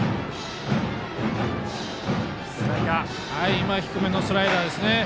今は低めのスライダーですね。